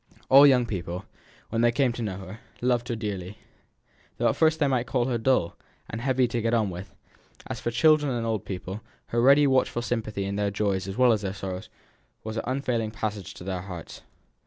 All young people, when they came to know her, loved her dearly, though at first they might call her dull, and heavy to get on with; and as for children and old people, her ready watchful sympathy in their joys as well as their sorrows was an unfailing passage to their hearts.